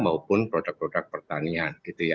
maupun produk produk pertanian